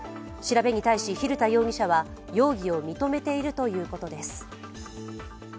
調べに対し、蛭田容疑者は容疑を認めているということです。